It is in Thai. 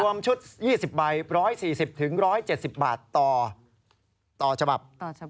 ชุด๒๐ใบ๑๔๐๑๗๐บาทต่อฉบับ